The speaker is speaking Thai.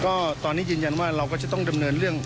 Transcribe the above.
ก็ตอนนี้ยืนยันว่าเราก็จะต้องดำเนินเรื่อง